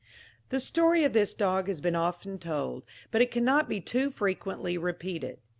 The story of this dog has been often told, but it cannot be too frequently repeated.